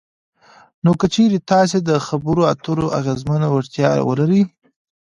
نو که چېرې تاسې دخبرو اترو اغیزمنه وړتیا ولرئ